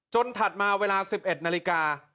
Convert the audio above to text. ถัดมาเวลา๑๑นาฬิกา